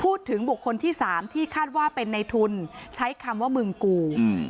บุคคลที่สามที่คาดว่าเป็นในทุนใช้คำว่ามึงกูอืม